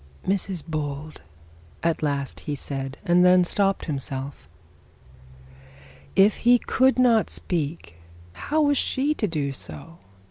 'Mrs Bold ' at last he said, and then stopped himself. If he could not speak, how was she to do so?